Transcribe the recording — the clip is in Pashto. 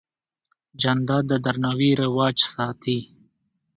جانداد د درناوي رواج ساتي.